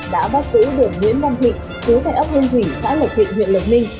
đã bắt tử đường nguyễn văn thịnh chú tài ấp hưng thủy xã lộc thịnh huyện lộc minh